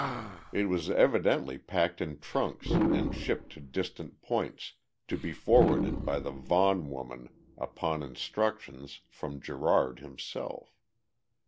It was evidently packed in trunks and shipped to distant points, to be forwarded by the Vaughan woman upon instructions from Gerard himself.